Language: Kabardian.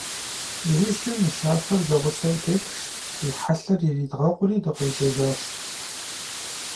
ИужькӀэ мыщафэр зэгъусэу тетхщ, ди хьэлъэр иридгъэкъури дыкъежьэжащ.